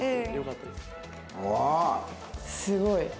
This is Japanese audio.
すごい。